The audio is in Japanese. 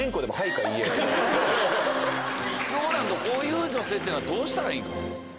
こういう女性っていうのはどうしたらいい？